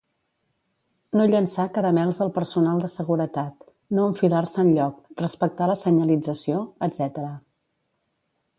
No llençar caramels al personal de seguretat, no enfilar-se enlloc, respectar la senyalització, etc.